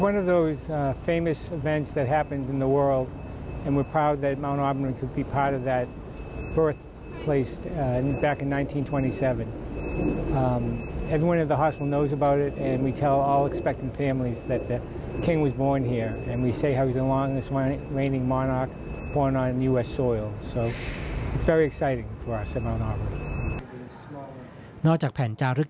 นอกจากแผ่นป้ายจาลึก